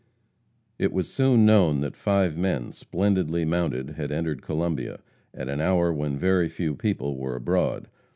It was soon known that five men, splendidly mounted, had entered Columbia, at an hour when very few people were abroad.